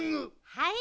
はい？